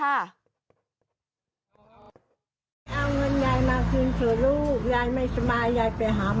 เอาเงินยายมาคืนเถอะลูกยายไม่สบายยายไปหาหมอ